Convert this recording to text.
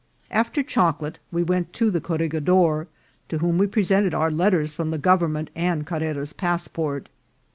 After chocolate we went to the corregidor, to whom we presented our letters from the government and Car rera's passport.